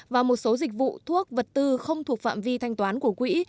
và một số dịch vụ thuốc vật tư không thuộc phạm vi thanh toán của quỹ